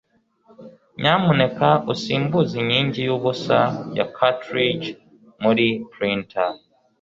nyamuneka usimbuze inkingi yubusa ya cartridge muri printer